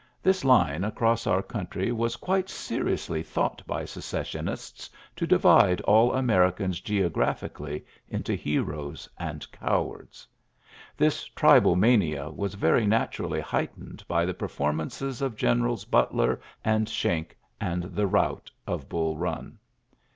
'' This line across our oonntry was quite seriously thought by Secessionists to divide all Americans geographically into heroes and cowards. This tribal mania was very naturally * heightened by the performances of Gen erals Butler and Schenck and the rout of Bull Eun.